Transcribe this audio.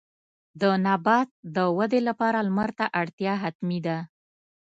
د نبات د ودې لپاره لمر ته اړتیا حتمي ده.